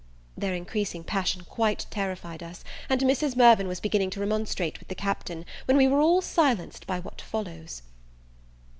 Their increasing passion quite terrified us; and Mrs. Mirvan was beginning to remonstrate with the Captain, when we were all silenced by what follows.